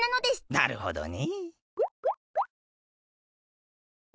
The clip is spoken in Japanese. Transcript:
なるほどね。